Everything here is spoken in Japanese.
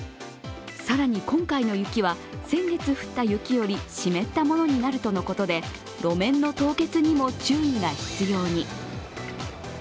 更に、今回の雪は先月降った雪より湿ったものになるとのことで路面の凍結にも注意が必要に。